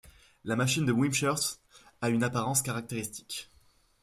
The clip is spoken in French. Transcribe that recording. La machine de Wimshurst a une apparence caractéristique.